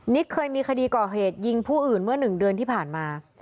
เคยมีคดีก่อเหตุยิงผู้อื่นเมื่อ๑เดือนที่ผ่านมา